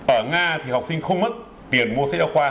ở nga thì học sinh không mất tiền mua sách giáo khoa